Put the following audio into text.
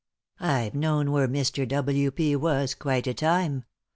I've known where Mr. W. P. was quite a time.